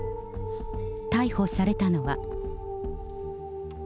逮捕されたのは。